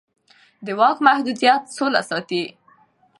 د واک محدودیت سوله ساتي